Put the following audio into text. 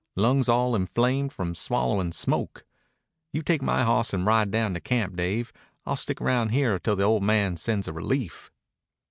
Lungs all inflamed from swallowin' smoke.... You take my hawss and ride down to camp, Dave. I'll stick around here till the old man sends a relief."